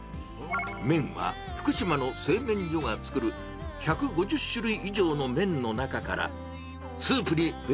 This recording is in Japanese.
麺は福島の製麺所が作る１５０種類以上の麺の中から、スープにベ